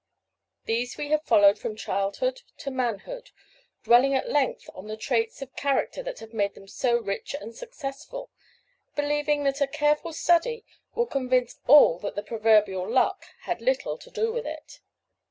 These we have followed from childhood to manhood, dwelling at length on the traits of character that have made them so rich and successful, believing that a careful study will convince all that the proverbial "luck" had little to do with it.